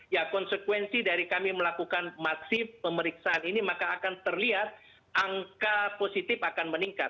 ya konsekuensi dari kami melakukan masif pemeriksaan ini maka akan terlihat angka positif akan meningkat